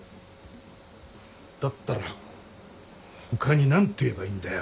だったら他に何て言えばいいんだよ。